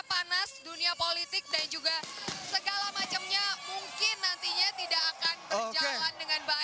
panas dunia politik dan juga segala macamnya mungkin nantinya tidak akan berjalan dengan baik